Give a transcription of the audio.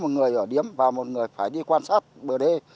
chúng tôi phải có một người ở điếm và một người phải đi quan sát bờ đê